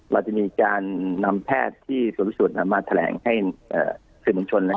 เราจะมีการนำแพทย์ที่สอบวิจแรมมาแถลงให้อ่าสื่อมันชนแล้ว